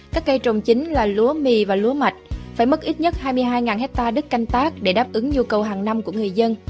các cây trồng chính là lúa mì và lúa mạch phải mất ít nhất hai mươi hai hectare đất canh tác để đáp ứng nhu cầu hàng năm của người dân